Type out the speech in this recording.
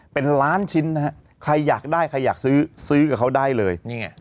เป็นล้านชิ้นนะฮะใครอยากได้ใครอยากซื้อซื้อกับเขาได้เลยนี่ไง